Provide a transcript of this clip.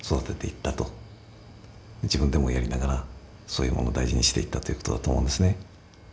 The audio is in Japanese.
自分でもやりながらそういうものを大事にしていったという事だと思うんですね。